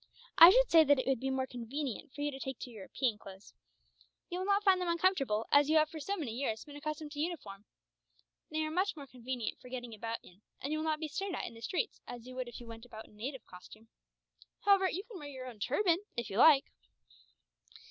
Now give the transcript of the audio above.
I should say that it would be more convenient for you to take to European clothes. You will not find them uncomfortable, as you have for so many years been accustomed to uniform. They are much more convenient for getting about in, and you will not be stared at in the streets; as you would be if you went about in native costume. However, you can wear your own turban, if you like."